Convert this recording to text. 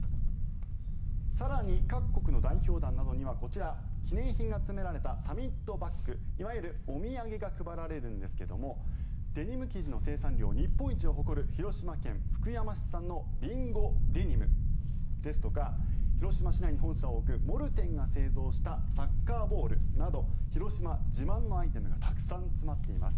更に各国の代表団などにはこちら、記念品が詰められたサミットバッグ、いわゆるお土産が配られるんですがデニム生地の生産量日本一を誇る広島県福山市産の備後デニムですとか広島市内に本社を置くモルテンが製造したサッカーボールなど広島自慢のアイテムがたくさん詰まっています。